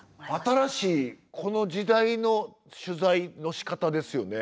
新しいこの時代の取材のしかたですよね。